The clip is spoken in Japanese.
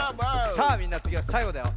さあみんなつぎはさいごだよ。